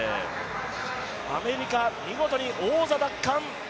アメリカ、見事に王座奪還。